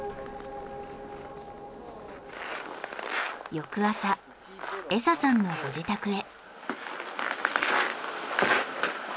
翌朝エサさんのご自宅へ。